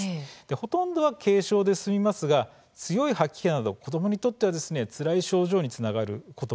ほとんどは軽症で済みますが強い吐き気など子どもにとってはつらい症状が出ます。